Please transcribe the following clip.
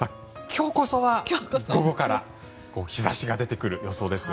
今日こそは午後から日差しが出てくる予想です。